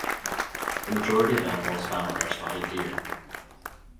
The majority of animals found are spotted deer.